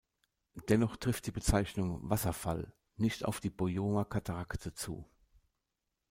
Dennoch trifft die Bezeichnung "Wasserfall" nicht auf die Boyoma-Katarakte zu.